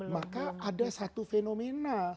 maka ada satu fenomena